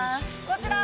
こちら。